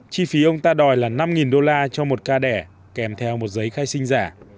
chi phí ông ta đòi là năm đô la cho một ca đẻ kèm theo một giấy khai sinh giả